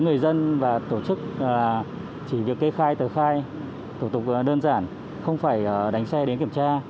người dân và tổ chức chỉ việc kê khai tờ khai thủ tục đơn giản không phải đánh xe đến kiểm tra